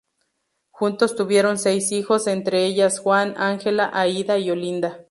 Juntos tuvieron seis hijos entre ellas Juan, Ángela, Aída y Olinda.